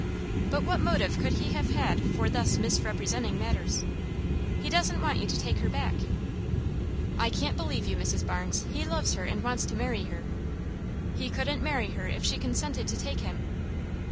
"But what motive could he have had for thus misrepresenting matters?" "He doesn't want you to take her back." "I can't believe you, Mrs. Barnes. He loves her, and wants to marry her." "He couldn't marry her if she consented to take him."